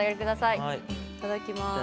いただきます。